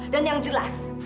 dan yang jelas